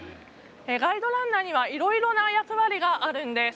ガイドランナーにはいろいろな役割があるんです。